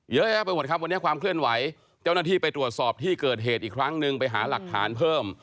เยอะแยะไปหมดครับวันนี้ความเคลื่อนไหวเจ้าหน้าที่ไปตรวจสอบที่เกิดเหตุอีกครั้งนึงไปหาหลักฐานเพิ่ม